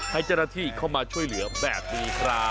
ให้จรธิเข้ามาช่วยเหลือแบบนี้ครับ